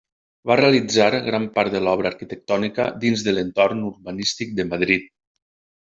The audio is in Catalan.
Va realitzar gran part de l'obra arquitectònica dins de l'entorn urbanístic de Madrid.